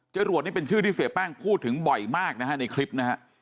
จรวดนี่เป็นชื่อที่เสียแป้งพูดถึงบ่อยมากนะฮะในคลิปนะฮะ